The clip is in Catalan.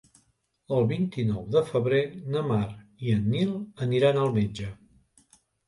El vint-i-nou de febrer na Mar i en Nil aniran al metge.